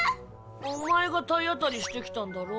お前が体当たりしてきたんだろ。